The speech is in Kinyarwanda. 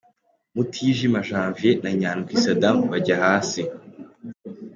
Mutijima Janvier na Nyandwi Sadam bajya hasi.